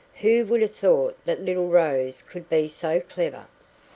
Who would have thought that little Rose could be so clever?